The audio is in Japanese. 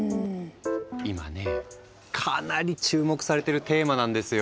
今ねかなり注目されてるテーマなんですよ。